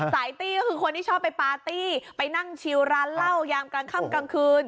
ตี้ก็คือคนที่ชอบไปปาร์ตี้ไปนั่งชิวร้านเหล้ายามกลางค่ำกลางคืน